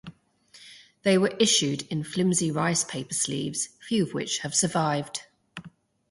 They were issued in flimsy rice paper sleeves, few of which have survived.